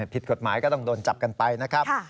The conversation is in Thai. ผิดกฎหมายก็ต้องโดนจับกันไปนะครับ